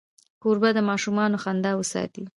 کوربه د ماشومانو خندا وساتي.